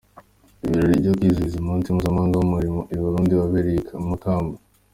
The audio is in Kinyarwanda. Ibirori byo kwizihiza umunsi mpuzamahanga w’Umurimo i Burundi wabereye i Makamba.